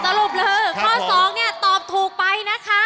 สรุปเลยคอย๒ตอบถูกไปนะคะ